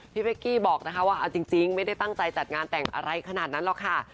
พี่เป๊กกี้บอกนะคะว่าเอาจริงไม่ได้ตั้งใจจัดงานแต่งอะไรขนาดนั้นหรอกค่ะ